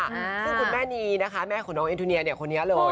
ซึ่งคุณแม่นีนะคะแม่ของน้องเอ็ทูเนียเนี่ยคนนี้เลย